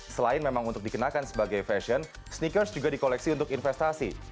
selain memang untuk dikenakan sebagai fashion sneakers juga di koleksi untuk investasi